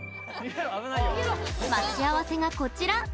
待ち合わせがこちら。